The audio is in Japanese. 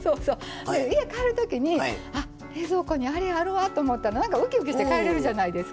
で家帰る時に「あ冷蔵庫にあれあるわ」と思ったらなんかうきうきして帰れるじゃないですか。